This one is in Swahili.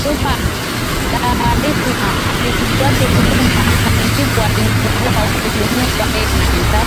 Dar es Salaam alimjuaje Lumbumba Akanijibu walimvumbua wapi Lumumba Yeye na wenzake